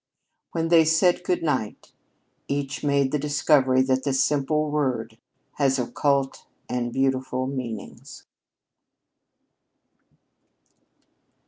When they said "good night," each made the discovery that the simple word has occult and beautiful meanings.